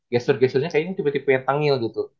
gestur gesturnya kayaknya tipe tipenya yang tengil gitu